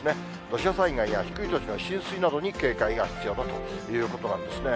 土砂災害や低い土地の浸水などに警戒が必要だということなんですね。